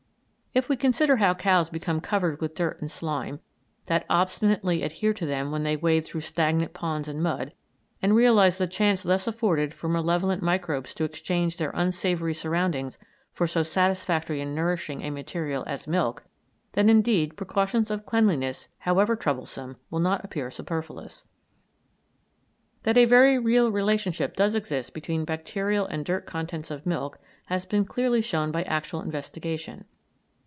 If we consider how cows become covered with dirt and slime, that obstinately adhere to them when they wade through stagnant ponds and mud, and realise the chance thus afforded for malevolent microbes to exchange their unsavoury surroundings for so satisfactory and nourishing a material as milk, then indeed precautions of cleanliness, however troublesome, will not appear superfluous. That a very real relationship does exist between the bacterial and dirt contents of milk has been clearly shown by actual investigation.